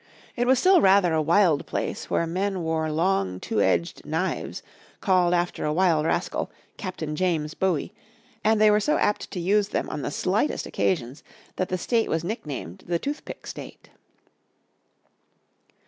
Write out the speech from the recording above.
It was still rather a wild place where men wore long two edged knives called after a wild rascal, Captain James Bowie, and they were so apt to use them on the slightest occasions that the state was nicknamed the Toothpick State.